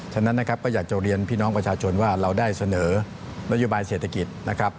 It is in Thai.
ฉะนั้นนะครับก็อยากจะเรียนพี่น้องประชาชนว่าเราได้เสนอนโยบายเศรษฐกิจนะครับ